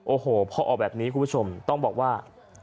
โอ้โหพอออกแบบนี้คุณผู้ชมต้องบอกว่า